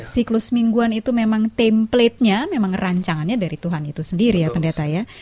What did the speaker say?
siklus mingguan itu memang template nya memang rancangannya dari tuhan itu sendiri ya pendeta ya